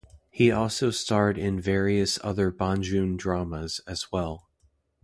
He also starred in various other Banjun Dramas as well.